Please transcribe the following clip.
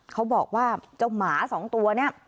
เขาบอกว่าเจ้าหมา๒ตัวนี้